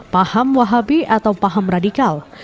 paham wahabi atau paham radikal